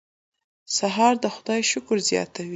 سهار د خدای شکر زیاتوي.